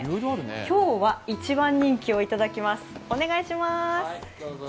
今日は一番人気をいただきます。